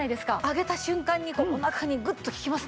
上げた瞬間におなかにグッと効きますね。